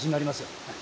はい。